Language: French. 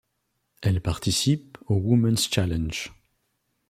Elle participe au Women's Challenge.